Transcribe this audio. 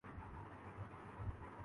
میں نے نوکری ڈھوڑھنے کی کوشش کی۔